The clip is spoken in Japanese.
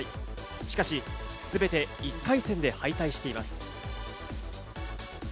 しかし全て１回戦で敗退しています。